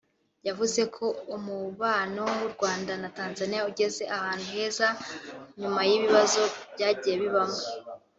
yavuze ko umubano w’u Rwanda na Tanzania ugeze ahantu heza nyuma y’ibibazo byagiye bibamo